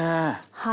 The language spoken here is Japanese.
はい。